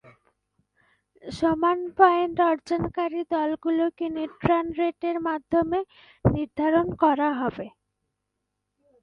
সমান পয়েন্ট অর্জনকারী দলগুলোকে নেট রান রেটের মাধ্যমে নির্ধারণ করা হবে।